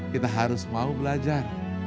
kita harus mau belajar